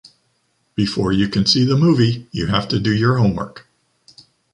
Before you can see the movie, you have to do your homework.